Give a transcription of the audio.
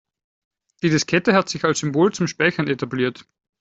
Die Diskette hat sich als Symbol zum Speichern etabliert.